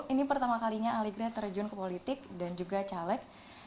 ini pertama kalinya aligra terjun ke politik dan juga caleg